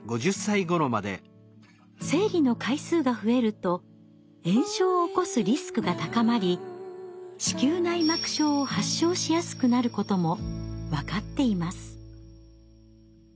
生理の回数が増えると炎症を起こすリスクが高まり子宮内膜症を発症しやすくなることも分かっています。